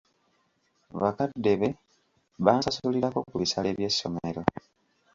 Bakadde be bansasulirako ku bisale by'essomero.